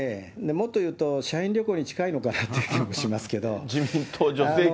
もっと言うと、社員旅行に近いのかなって気もしますけれども。